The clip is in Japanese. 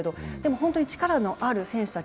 本当に力のある選手たち